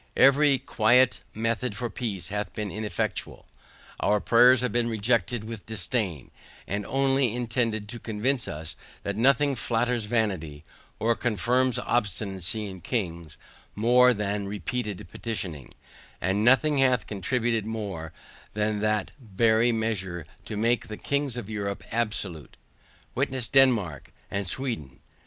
Every quiet method for peace hath been ineffectual. Our prayers have been rejected with disdain; and only tended to convince us, that nothing flatters vanity, or confirms obstinacy in Kings more than repeated petitioning and noting hath contributed more than that very measure to make the Kings of Europe absolute: Witness Denmark and Sweden.